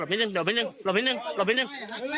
หลบนิดนึง